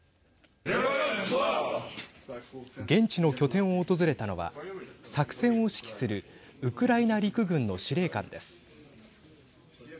現地の拠点を訪れたのは作戦を指揮するウクライナ陸軍の司令官です。